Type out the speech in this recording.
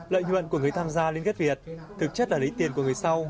lợi nhuận của người tham gia liên kết việt thực chất là lấy tiền của người sau